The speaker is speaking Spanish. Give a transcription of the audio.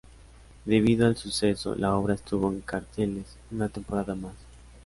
Debido al suceso, la obra estuvo en carteles una temporada más.